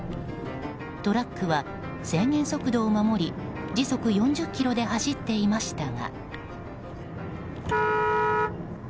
トラックは制限速度を守り時速４０キロで走っていましたが。